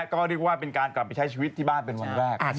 ก็เรียกว่าเป็นการกลับไปใช้ชีวิตที่บ้านเป็นวันแรก